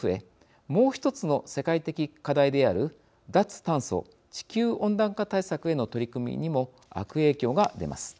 もう一つの世界的課題である脱炭素地球温暖化対策への取り組みにも悪影響が出ます。